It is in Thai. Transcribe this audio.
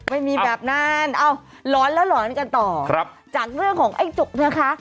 ไม่มีแบบนั้นเอ้าร้อนแล้วหลอนกันต่อครับจากเรื่องของไอ้จุกนะคะ